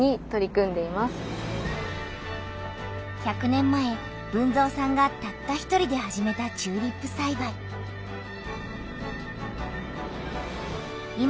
１００年前豊造さんがたった１人で始めたチューリップさいばい。